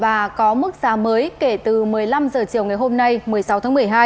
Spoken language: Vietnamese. và có mức giá mới kể từ một mươi năm h chiều ngày hôm nay một mươi sáu tháng một mươi hai